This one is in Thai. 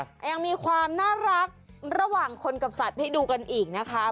ยังมีความน่ารักระหว่างคนกับสัตว์ให้ดูกันอีกนะคะ